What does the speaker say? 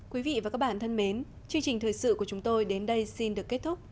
quý vị và các bạn thân mến chương trình thời sự của chúng tôi đến đây xin được kết thúc